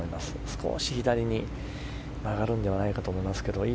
少し左に曲がるのではないかと思いますけど。